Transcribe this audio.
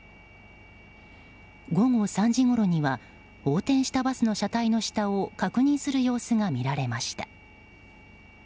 午後３時ごろには横転したバスの車体の下を確認する様子が見られました。